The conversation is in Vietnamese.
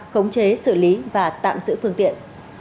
khống chế xử lý và tạm sử phương tiện